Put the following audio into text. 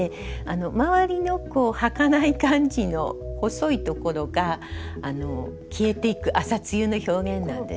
周りの儚い感じの細いところが消えていく朝露の表現なんですけれども。